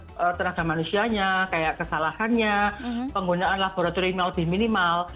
kemudian tenaga manusianya kayak kesalahannya penggunaan laboratorium yang lebih minimal